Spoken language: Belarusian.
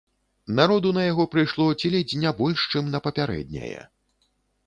Народу на яго прыйшло ці ледзь не больш, чым на папярэдняе.